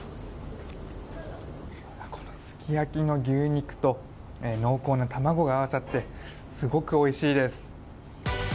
このすき焼きの牛肉と濃厚な卵が合わさってすごくおいしいです。